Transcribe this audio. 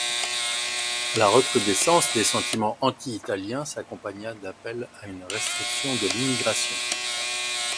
La recrudescence des sentiments anti-italiens s’accompagna d’appels à une restriction de l’immigration.